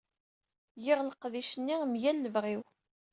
Giɣ leqdic-nni mgal lebɣi-w.